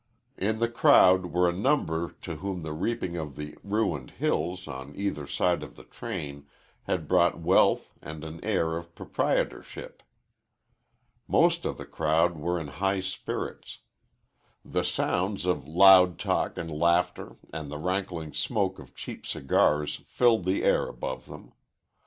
In the crowd were a number to whom the reaping of the ruined hills, on either side of the train, had brought wealth and an air of proprietorship. Most of the crowd were in high spirits. The sounds of loud talk and laughter and the rankling smoke of cheap cigars filled the air above them.